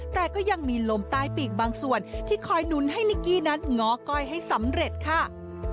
แต่ก็ยังมีลมใต้ปีกบางส่วนที่คอยหนุนให้นิกกี้นั้นง้อก้อยให้สำเร็จค่ะ